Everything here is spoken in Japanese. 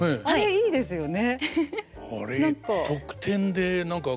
いいですよね。